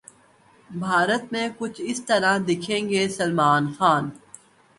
بھارت 'میں کچھ اس طرح دکھیں گے سلمان خان'